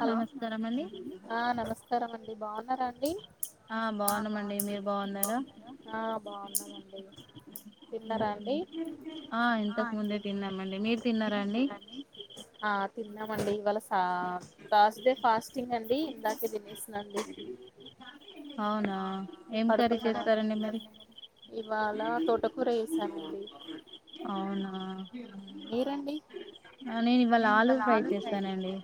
Hello నమస్కారం అండి బాగున్నారా అండి ఆ బాగున్నామండి మీరు బాగున్నారా ఆ తిన్నామండి మీరు తిన్నారా అండి. తర్స్ డే ఫాస్టింగ్ అండి ఇందాకే తినేసానండి పడుకున్న ఇవాళ తోటకూర కదండీ అవునా నేను ఇవాళ ఆలు ఫ్రై చేశానండి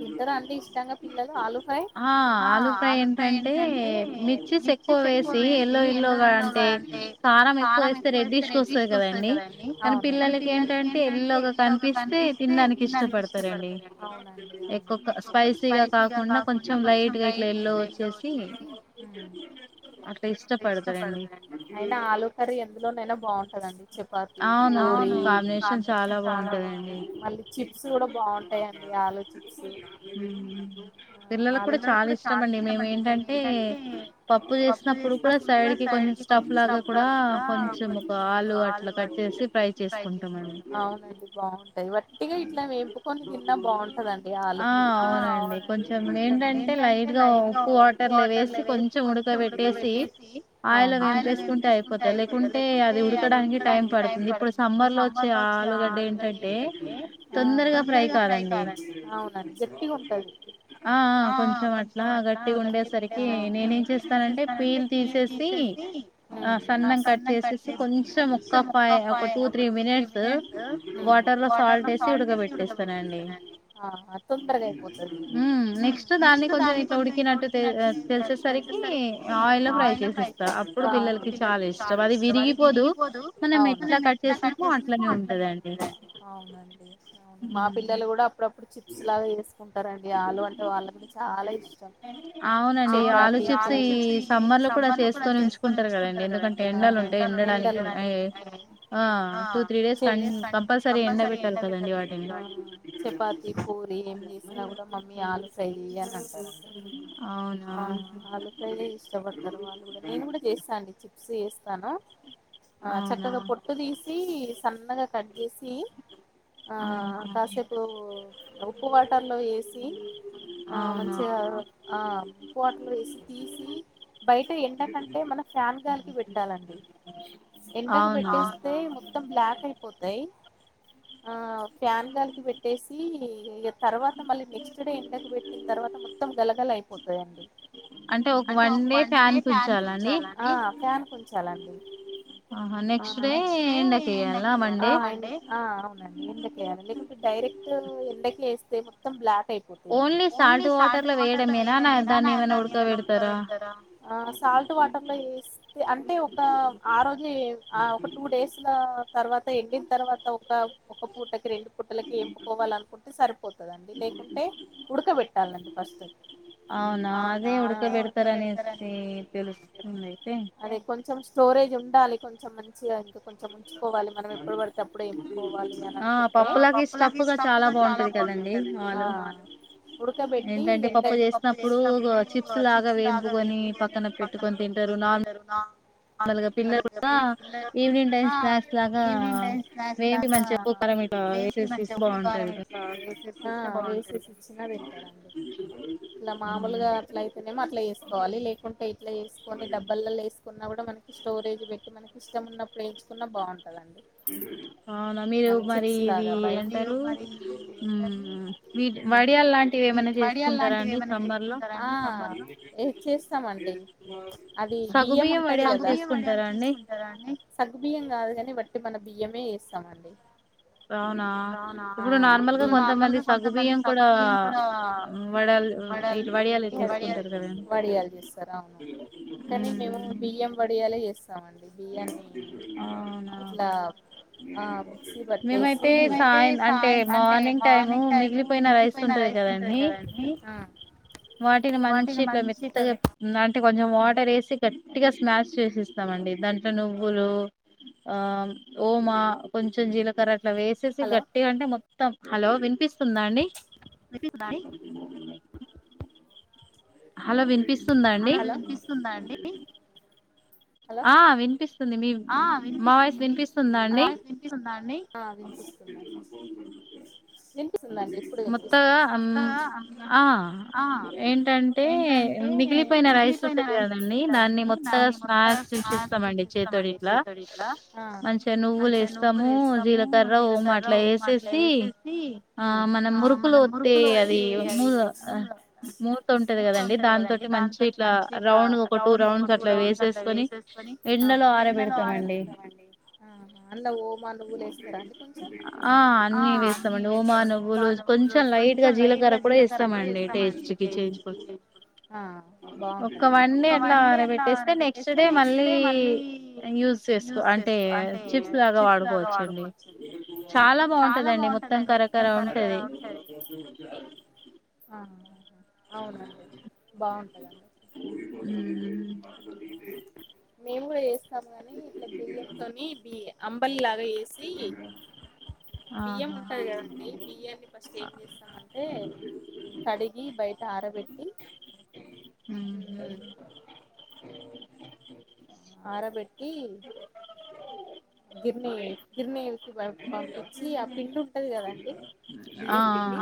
తింటారండి ఇష్టంగా పిల్లలు ఆలు ఆ ఆలు ఫ్రై ఏంటంటే మిర్చిస్ ఎక్కువ వేసి ఎల్లో ఏల్లోగా అంటే కారం ఎక్కువ వేస్తే రెడ్డిష్ కి వస్తది కదా అండి కానీ పిల్లలకి ఏంటంటే ఎల్ల్లోగా కనిపిస్త తే తినడానికి ఇష్టపడతారండి ఏక్కొక్క స్పైసీగా కాకుండా కొంచెం లైట్ ఏగేఎల్లో లో వచ్చేసి అ ఇష్టపడతారండి అయినా ఆలు కర్రీ ఎందులోనయినా బాగుంటందండి చపాతి పూరి చాలా బాగు మళ్ళీ చిప్స్ కూడా బాగుంటాయిండి ఆలూ చిప్స్ పిల్లలకు కూడా చాలా ఇష్టం అండి మేము ఏంటంటే పప్పు చేసినప్పుడు కూడా సైడ్ కి కొంచెం స్టఫ్ లాగా కూడా కొంచెం ఒక ఆలు అట్లా కట్ చేసి ఫ్రై చేసుకుంటామండి వట్టిగా ఇట్లా వేంపుకొని తిన్నా బాగుంటదండి ఆలు కొంచెం ఏంటంటే లైట్గా ఉప్పు వాటర్లు వేసి కొంచెం ఉడకబెట్టేసి ఆయిల్ వేంపేసుకుంటే అయిపోతుంది లేకుంటే అది ఉడకడానికి టైం పడుతుంది ఇప్పుడు సమ్మర్ లో వచ్చి ఆలుగడ్డ ఏంటంటే తొందరగా ఫ్రై కాదండి ఆ కొంచెం అట్లా గట్టిగా ఉండేసరికి నేనే ఏం చేస్తానంటే పీలు తీసేసి ఆ సన్న కట్ చేసేసి కొంచెం ఒక్క ఫై ఒక టూ త్రీ మినిట్స్ వాటర్ లో బటర్న్ సాల్ట్ వేసి ఉడకబెట్టేస్తారండి ఆ తొందరగా అయిపోతుది నెక్స్ట్ దాన్ని కొంచెం ఇట్లా ఉడికినట్టు తేల్ తెలిసేసరికి ఆయిల్లో ఫ్రై చేసేస్తా అప్పుడు పిల్లలకి చాలా ఇష్టం అది విరిగిపోదు మనం ఎట్లా కట్ చేసినామో అట్లనే ఉంటదండి అవునండి అవును మా పిల్లలు కూడా అప్పుడప్పుడు చిప్స్ లాగా వేసుకుంట ఆలు అంటే వాళ్ళ కూడా చాలా ఇష్టం చెప్పం ఆలు చెప్పసి ఈ సమ్మర్ లో కూడా చేసుకొని ఉంచుకుంటారు కదండీ ఎందుకు అంటే ఎండలు ఆ అప్పా సర ఎండ బతుదండి చపాాతి పూరి ఏ కూడా మమ్మీ ఆలు ఫ్రై చెయాలని అంటారండి ఆలు ఫ్రై ఇష్టపడతారు వాళ్ళు నేను కూడా చేస్తాను అండి చిప్స్ తను ఆ చక్కగా పొట్టు తీసి సన్నగా కట్ చేసి ఆ కాసేపు ఉప్పు వాటర్ లో వేసి ఆ మంచిగా ఆ ఉప్పు వాటర్ లో వేసి తీసి బయట ఎండకంటే మనం ఫ్యాన్ గాలికి పెట్టాలం ఎండకు పెట్టేస్తే మొత్తం బ్లాక్ అయిపోతాయి ఫ్యాన్ గలికి పెట్టేసి తర్వాత మళ్ళ నెక్స్ట్ డే ఎండకుట్టిన తర్వాత మొత్తం గలగల అయిపోతుందిండి ఆ ఫ్యాన్ ఉంచాలడి ఆ ఎండ కి అవునండి ఎండకేయాలి లేకుంటే డైరెక్ట్ ఎండక వేస్తే మొత్తం బ్లాక్ అయిపోతాయి అ ఓన్లీ సాల్ట్ వాటర్ లో వేయడంమద దాన్ని ఏమైనా ఉ వెడతారా ఆ సాల్ట్ వాటర్ లో ఎస్తే అంటే ఒక ఆ రోజు ఒక టూ డేస్ లో తర్వాత ఎండిన తర్వాత ఒక ఒక పూటకి రెండు పూటలకి ఎంపుకోవాల అనుకుంటే సరిపోతుందండి లేకుంటే ఉడకబెట్టాలండి ఫస్ట్ అవునా అదే ఉడకబెడతారనేసి తెలుస్తుంది అయితే ఉండాలి కొంచం మం మంచిగా ఇంకా కొంచం ఉంచుకోవాలి మనం ఎప్పుడు పడితే అప్పుడే కోవాలి అని అనుకుంటే ఆ పప్పులాగా స్టఫ్ గా చాలా బాగుంటది కదండి. ఉడకబెట్టి, ఏంటంటే పప్పు చేసినప్పుడు చిప్స్ లాగా వేంపుకొని, పక్కన పెట్టుకని తింటారుగా. మలుగా పిల్లలు కూడా ఈవినింగ్ టైమ్ స్నాక్స్ లాగా ఇలాగా మేంపి మంచిగా ఉప్పు కారం ఇట్లా ఎసెసి బాగుంట చి తింటారండి. ఇలా మామూలుగా అట్లా అయితేనేమో అట్లా ఎసుకోవాలి. లేకుంటే ఇట్లా ఎసుకొని డబ్బలలో వేసుకున్నా, కూడా మనకి స్టోరేజ్ పెట్టి మనకి చెమ్మ్ నప్ వేయించుకున్నా బాగుంటదండి మన చిప్స్ లాగాబ మీరు మరి ఏమంటారు. వడియాలు లాంటివి ఏమైనా చేసుకుంటారా అండి. సమ్మర్లో ఆ చేస్తామండి. అది బియ్యం ఉంటది కదా సగ్గుబియ్యం చేసుకుంటారాండి. కాదు కాని వట్టి మన బియ్యమే ఏస్ తమండి అవునా నార్మల్గా కొంతమంది సగ్గు బియ్యం కుడా వ వడల్ వడియాలు చేస్తారు. అవును కానీ మేము బియ్యం వడియాల చేస్ స్తామండి బియ్యాన్ని ఇట్లా ఆ మిక్సీ బట్టేసి మేమైతే సాయం అంటే మార్నింగ్ టైమ్ మిగిలిపోయిన రైస్ ఉంటది కదండి. ఆ వాటిని మంచి ఇట్లా మెత్తగ నాన్ అంటే కొంచం వాటర్ వేసి గట్టిగా స్మాష్ చేసిస్తామండి. దాంట్లో నువ్వులు, ఆ ఓమా, కొంచెం జీలకర్ర ఇట్ల వేసేసి గట్టిగ అంటే మొ తో హలో విన్పిస్ స్తుందా అండి హలో వినిపిస్తుందా అండి ఆ వినిపిస్ ఆ వినిపిస్తుంది మీ వాయిస్ వినిపిస్తుంద అండి. ఆ వినిపిస్తున్ వినిపిస్తుంది అండి. ఇప్పుడే వినిపిస్తుంది. మెత్తగా ఆ ఏంటంటే మిగిలిపోయిన రైస్ ఉంటది కదండి దాన్ని మెత్తగా సేస్తామండి చేతోటి చేతుడి ఇట్లా మంచిగా నువ్వులు వేస్తాము. జీలకర్ర ఓమా అట్లా వేసేసి ఆ మన మురుకులు వచ్చే అది మూ మూత ఉంటది కదండి. దానితొటి మంచి ఇట్లా రౌండ్ ఒక టూ రౌండ్స్ అట్లా వేసెస్ మని అవును ఎండలో ఆరబెడతామండి. ఆహా అందులో ఓమా, నువ్వులు వేస్తార అండి. కొంచం అన్ని వేస్తా ఓమా నువ్వులు కొంచెం లైట్గా జీలకర కూడా వేస్తామండి. బాగుంటదండి. ఒక వండే అట్లా ఆరబెట్టస్ అంటే నెక్స్ట్ డే మళ్ళీ యూజ్ చేసుకో అంటే చిప్స్ లాగా వాడుకోవచ్చండి. చాలా బాగుంటదండి. మొత్తం కర కరా ఉంటది. అవునండి బాగుంటందండి మేము కూడా గా ని ఇట్లా బియ్యంతో బి అంబలి లాగా వేసి బియ్యం ఉంటది కదండి బియ్యాన్ని ఫస్ట్ ఏం చేస్తామంటే కడిగి బయట ఆరబెట్ ఆరబెట్టి గిరిన గిరినేలకిి పంపించి ఆ పిండి ఉంటది కదండి బియ్యపిండి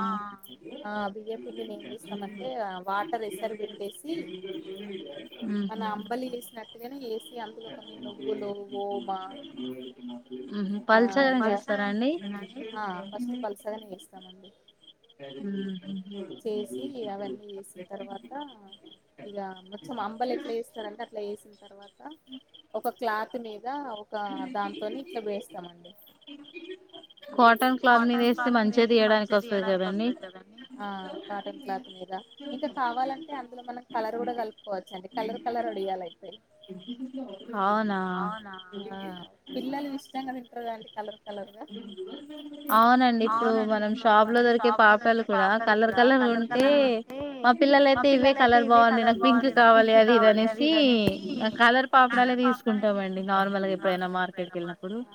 ఆ బియ్య పిండిని ఏం చేస్తామంటే వాటర్ యసర్ పెట్టేసి మన అంబలి వేసినట్టుగానే వేసి అందులో కొన్ని నువ్వులు ఓమా పల్చగానే చేస్తారా అండి చేసి అవన్నీ వేసిన తర్వాత ఇక మొత్తం అంబలు ఎట్లా వేస్తారంటే అట్లా వేసిన తర్వాత ఒక క్లాత్ మీద ఒక దాంతోని ఇట్లా వేస్తామండి కాటన్ క్లాత్ మీద వేస్తే మంచిగా తీయడానికి వస్తుంది కదండి ఆ కాటన్ క్లాత్ మీద ఇంకా కావాలంటే కావాలంటే అందులో మనం కలర్ కూడా కలుపుకోవచ్చండి కలర్ కలర్ ఒడియాలతాయ్ అవునా ఆ పిల్లలు ఇష్టంగా తింటారు కదండి కలర్ కలర్గా అవునండి ఇప్పుడు మనం షాప్ లో దొరికే పాపలు కూడా కలర్ కే పిల్లల అయితే ఇవే కలర్ బాగుంది నాకు పింక్ కావాలి అది ఇనేసి కలర్ బా తీసుకుంటాం నార్ల్ప్పుడ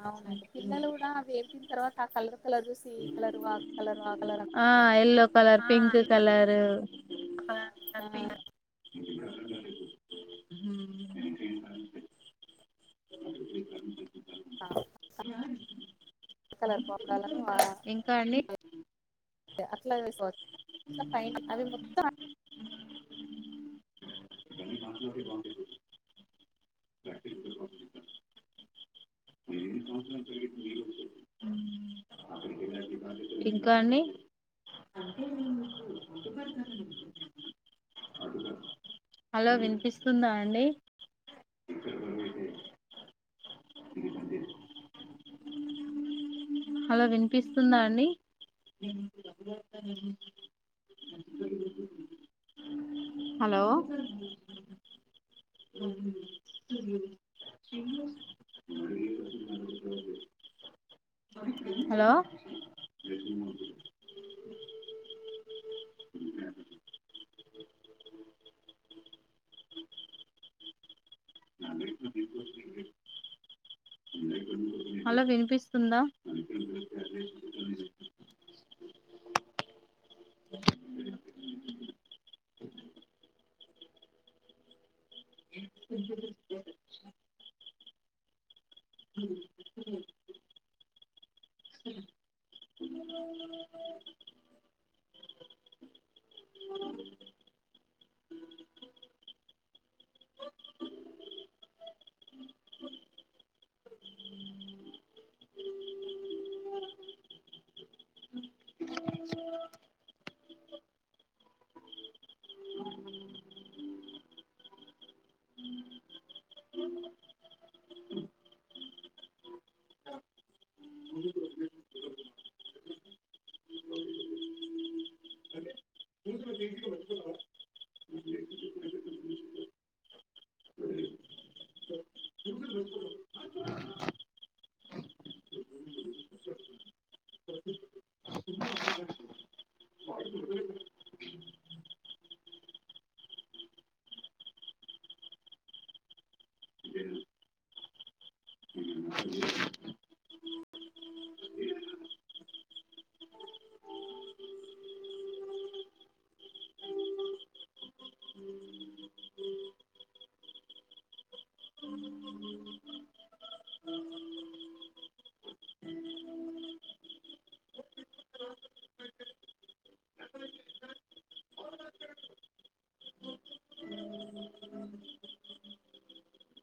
అవుం పిల్లలు కూడా న తర్వాత కలర్ కలర్ స కలర్ కలర్ ఆ కలర్ అ కదండి పింక్ కలర్ అ ఆ అ [unintelligible] అ స కలర్ పోపడాల అట్లా అట్లా ఫై అవి మొత్తం బధ బ ఇంకా అండి హలో వినిపిస్తుందా అండి హలో వినిపిస్తుందా అండి హలో హలో హలో వినిపిస్తుందా [unintelligible] [unintelligible] ఆ దూతుల త వచ్చ